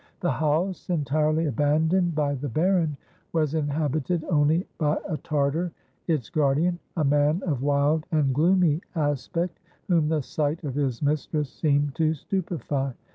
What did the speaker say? The house, entirely abandoned by the Baron, was inhabited only by a Tartar, its guardian a man of wild and gloomy aspect, whom the sight of his mistress seemed to stupefy.